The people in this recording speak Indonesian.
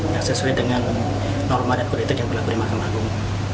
yang sesuai dengan norma dan kodetik yang berlaku di masa maha maha agung